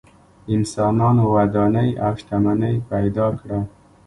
انسانانو ودانۍ او شتمنۍ پیدا کړه.